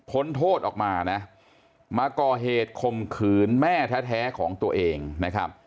โทษออกมานะมาก่อเหตุคมขืนแม่แท้ของตัวเองนะครับ